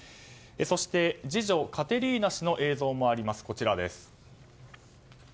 そして次女カテリーナ氏の映像もあります。